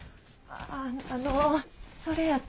あのそれやったら。